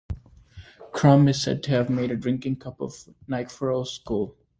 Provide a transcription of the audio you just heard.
Krum is said to have made a drinking-cup of Nikephoros' skull.